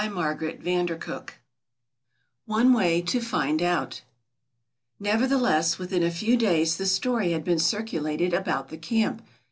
CHAPTER XVIII ONE WAY TO FIND OUT Nevertheless within a few days the story had been circulated about the camp.